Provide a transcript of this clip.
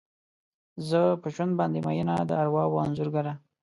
زه په ژوند باندې میینه، د ارواوو انځورګره